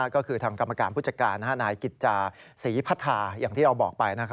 ก็คือทางกรรมการผู้จัดการนายกิจจาศรีพัทธาอย่างที่เราบอกไป